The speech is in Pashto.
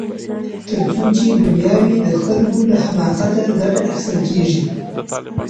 تر څو چي دنیا وي د خلګو له حماقته ګټه اخیستل کیږي.